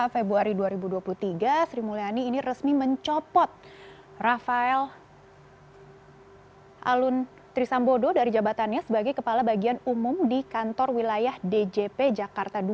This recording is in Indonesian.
februari dua ribu dua puluh tiga sri mulyani ini resmi mencopot rafael alun trisambodo dari jabatannya sebagai kepala bagian umum di kantor wilayah djp jakarta dua